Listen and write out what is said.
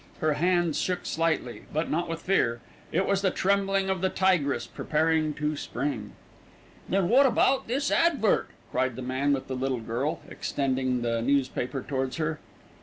Her hands shook slightly; but not with fear. It was the trembling of the tigress preparing to spring. "Then wot about this advert?" cried the man with the little girl, extending the newspaper towards her.